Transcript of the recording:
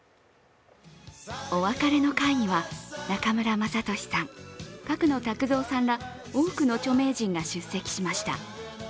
お別れの会には中村雅俊さん、角野卓造さんら多くの著名人が出席しました。